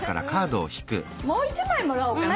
もう１枚もらおうかな。